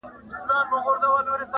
امان الله نصرت